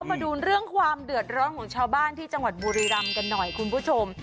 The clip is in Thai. มาดูเรื่องความเดือดร้อนของชาวบ้านที่จังหวัดบุรีรำกันหน่อยคุณผู้ชม